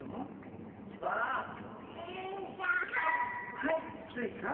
はいスイさん。